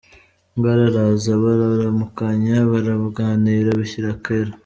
Ngara araza bararamukanya, baraganira bishyira kera.